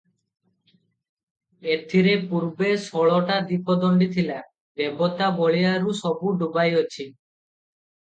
ଏଥିରେ ପୂର୍ବେ ଷୋଳଟା ଦୀପଦଣ୍ତିଥିଲା, ଦେବତା ବଳିଆରରୁ ସବୁ ଡୁବାଇଅଛି ।